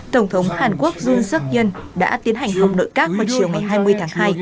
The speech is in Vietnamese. tổng thống hàn quốc jun suk yong đã tiến hành hồng nội các vào chiều ngày hai mươi tháng hai